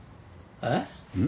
えっ？